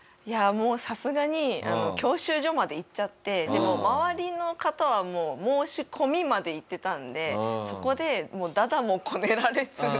いやもうさすがに教習所まで行っちゃって周りの方はもう申し込みまでいってたんでそこで駄々もこねられず。